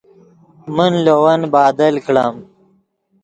من لے ون بادل کڑم